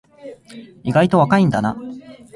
意外と若いんだな